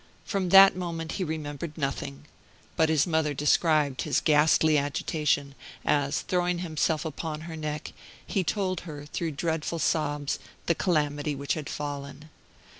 From that moment he remembered nothing. But his mother described his ghastly agitation, as, throwing himself upon her neck, he told her, through dreadful sobs, the calamity which had fallen.